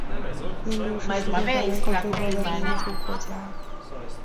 印度是世界上人口最多的民主国家。